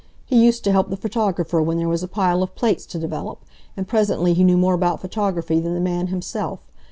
He used to help the photographer when there was a pile of plates to develop, and presently he knew more about photography than the man himself.